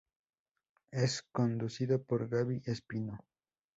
Es conducido por Gaby Espino.